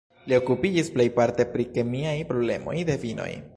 Li okupiĝis plejparte pri kemiaj problemoj de vinoj.